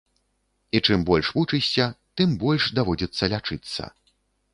І чым больш вучышся, тым больш даводзіцца лячыцца.